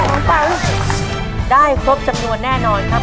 น้องปั้งได้ครบจำนวนแน่นอนนะครับ